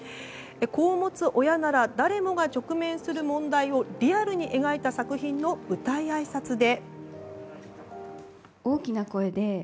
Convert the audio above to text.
子を持つ親なら誰もが直面する問題をリアルに描いた作品の舞台あいさつで。